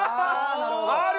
ある！